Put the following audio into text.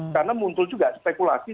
karena muntul juga spekulasi